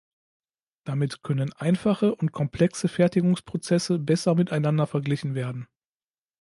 Damit können einfache und komplexe Fertigungsprozesse besser miteinander verglichen werden.